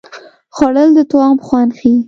خوړل د طعام خوند ښيي